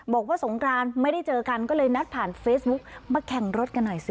บอกว่าสงกรานไม่ได้เจอกันก็เลยนัดผ่านเฟซบุ๊กมาแข่งรถกันหน่อยสิ